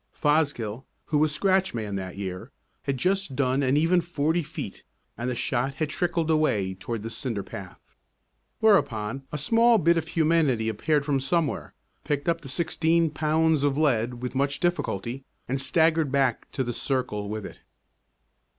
Fosgill, who was scratch man that year, had just done an even forty feet and the shot had trickled away toward the cinder path. Whereupon a small bit of humanity appeared from somewhere, picked up the sixteen pounds of lead with much difficulty, and staggered back to the circle with it.